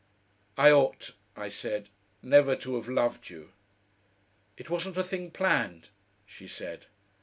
"I ought," I said, "never to have loved you." "It wasn't a thing planned," she said.